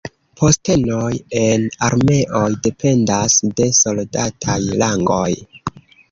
Postenoj en armeoj dependas de soldataj rangoj.